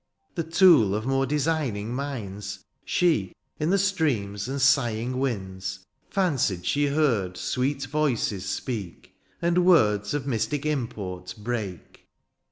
The tool of more designing minds. She, in the streams and sighing winds. Fancied she heard sweet voices speak. And words of mystic import break.